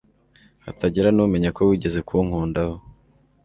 hatagira numenya ko wigeze kunkundaho